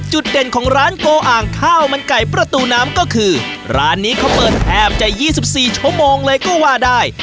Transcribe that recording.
เด่นของร้านโกอ่างข้าวมันไก่ประตูน้ำก็คือร้านนี้เขาเปิดแทบจะ๒๔ชั่วโมงเลยก็ว่าได้